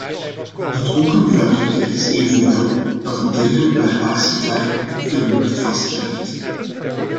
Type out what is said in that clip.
Het ongebruikelijke is evenwel dat een dergelijk barbaars gedrag op film werd vastgelegd.